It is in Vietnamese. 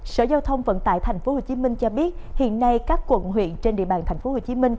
sở giao thông vận tải tp hcm cho biết hiện nay các quận huyện trên địa bàn tp hcm